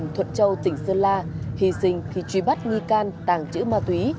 thuận châu tỉnh sơn la hy sinh khi truy bắt nghi can tàng trữ ma túy